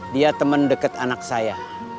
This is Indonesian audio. dia temen deket anak saya